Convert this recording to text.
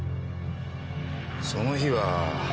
その日は。